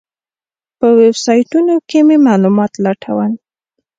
په ویبسایټونو کې مې معلومات لټول.